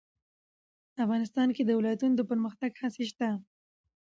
افغانستان کې د ولایتونو د پرمختګ هڅې شته.